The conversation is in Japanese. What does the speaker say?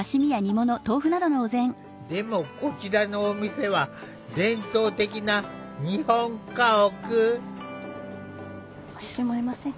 でもこちらのお店は伝統的な日本家屋。